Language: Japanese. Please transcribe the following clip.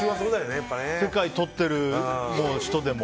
世界とってる人でも。